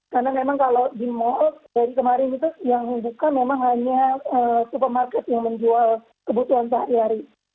karena memang kalau di mall dari kemarin itu yang dibuka memang hanya supermarket yang menjual kebutuhan sehari hari